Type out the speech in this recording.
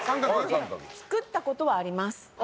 作ったことはあります。